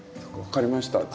分かりました。